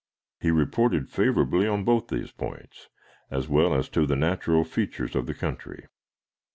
He reported favorably on both these points, as well as to the natural features of the country.